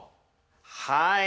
はい。